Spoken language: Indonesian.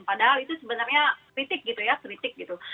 padahal itu sebenarnya kritik gitu ya kritik gitu